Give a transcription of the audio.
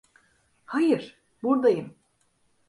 Hayır, buradayım.